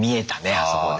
あそこで。